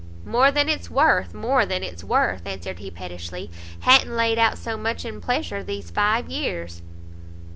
"More than it's worth, more than it's worth," answered he pettishly "ha'n't laid out so much in pleasure these five years."